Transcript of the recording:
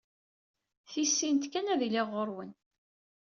Tisint kan ad d-iliɣ ɣur-wen.